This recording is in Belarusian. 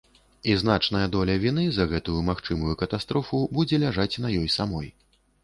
І значная доля віны за гэтую магчымую катастрофу будзе ляжаць на ёй самой.